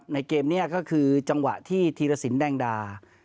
เกมนี้ก็คือจังหวะที่ธีรสินแดงดา